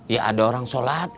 ya ada orang sholat